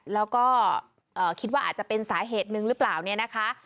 แล้วก็คิดว่าอาจจะเป็นสาเหตุหนึ่งหรือเปล่าเนี่ยนะคะ